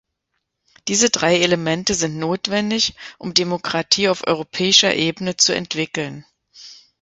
Diese drei Elemente sind notwendig, um Demokratie auf europäischer Ebene zu entwickeln.